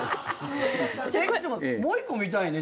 でももう１個見たいね。